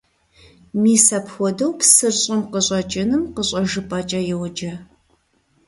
Мис апхуэдэу псыр щӀым къыщӀэкӀыным къыщӀэжыпӀэкӀэ йоджэ.